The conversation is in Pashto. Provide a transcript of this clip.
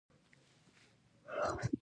هغه د دولت د مصارفو تادیه منظوره کوي.